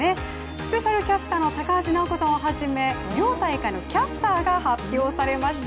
スペシャルキャスターの高橋尚子さんを始め両大会のキャスターが発表されました。